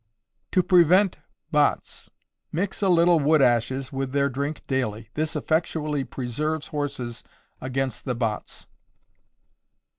To Prevent Botts. Mix a little wood ashes with their drink daily. This effectually preserves horses against the botts.